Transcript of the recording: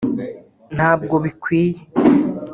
ntabwo bikwiye